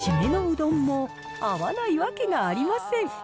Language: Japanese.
締めのうどんも合わないわけがありません。